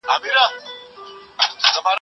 د ننګونو سره ښکېلتیا مقاومت زیاتوي.